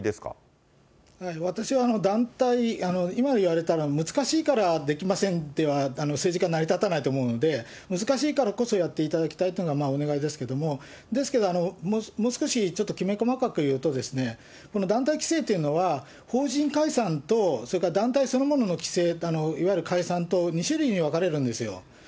私は団体、今言われたのは、難しいからできませんでは政治家は成り立たないと思うので、難しいからこそ、やっていただきたいっていうのが、お願いですけれども、ですけど、もう少し、きめ細かく言うと、この団体規制というのは、法人解散とそれから団体そのものの規制、いわゆる解散と２種類に分かれるんですよ。